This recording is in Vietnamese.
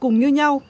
cùng như nhau